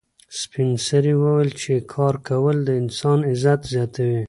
سپین سرې وویل چې کار کول د انسان عزت زیاتوي.